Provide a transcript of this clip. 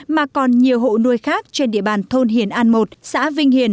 mà còn nhiều hộ nuôi khác trên địa bàn thôn hiền an một xã vinh hiền